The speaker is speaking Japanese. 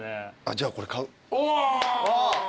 じゃあこれ買う。